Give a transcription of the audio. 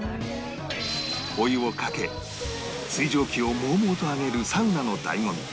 お湯をかけ水蒸気をもうもうと上げるサウナの醍醐味